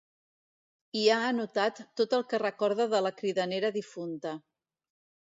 Hi ha anotat tot el que recorda de la cridanera difunta.